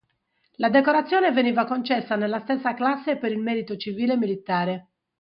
La decorazione veniva concessa nella stessa classe per il merito civile e militare.